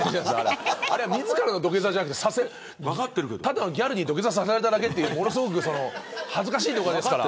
あれは、自らの土下座じゃなくてただのギャルに土下座させられただけっていう恥ずかしいとこですから。